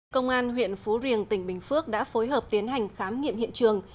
công an huyện phú riềng tỉnh bình phước đã phối hợp tiến hành khám nghiệm hiện trường